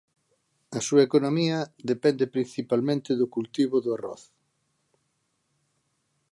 A súa economía depende principalmente do cultivo de arroz.